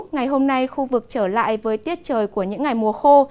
ngày hôm nay khu vực trở lại với tiết trời của những ngày mùa khô